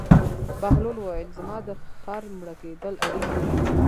بهلول وویل: زما د خر مړه کېدل اړین نه دي.